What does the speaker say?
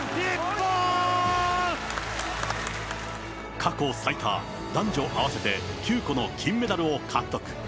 過去最多、男女合わせて９個の金メダルを獲得。